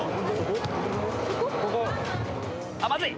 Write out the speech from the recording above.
まずい！